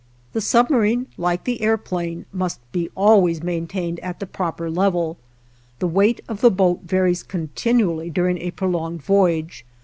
The submarine like the airplane must be always maintained at the proper level. The weight of the boat varies continually during a prolonged voyage.